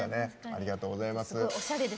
ありがとうございます。